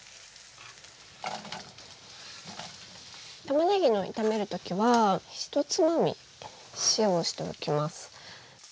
たまねぎの炒めるときは１つまみ塩をしておきます。